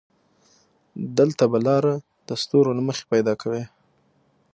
دلته به لاره د ستورو له مخې پيدا کوې.